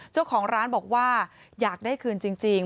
เจ้าของร้านบอกว่าอยากได้คืนจริง